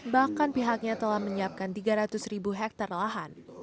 bahkan pihaknya telah menyiapkan tiga ratus ribu hektare lahan